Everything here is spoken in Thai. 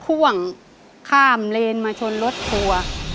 รถห่วงข้ามเลนมาชนรถถัว